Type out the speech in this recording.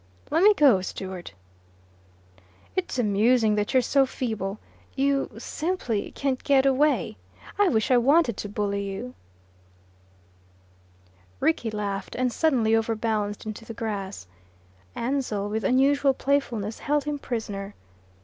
"Lemme go, Stewart." "It's amusing that you're so feeble. You simply can't get away. I wish I wanted to bully you." Rickie laughed, and suddenly over balanced into the grass. Ansell, with unusual playfulness, held him prisoner.